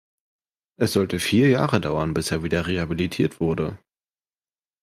Es sollte vier Jahre dauern, bis er wieder rehabilitiert wurde.